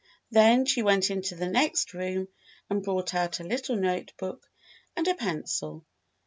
Then she went into the next room and brought out a little notebook and a pencil.